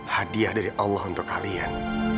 hadiah dari allah untuk kalian